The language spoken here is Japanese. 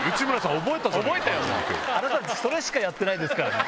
あなたたちそれしかやってないですからね。